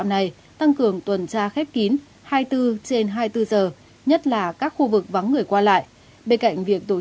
đây cũng là một sơ hội để đưa hình ảnh của mình lên trên mạng xã hội